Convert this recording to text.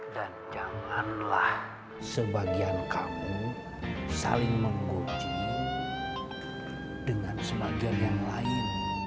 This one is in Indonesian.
dan janganlah sebagian kamu saling menggunjing dengan sebagian yang lain